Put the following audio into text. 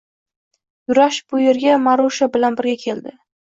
Yurash bu yerga Marusha bilan birga keldi.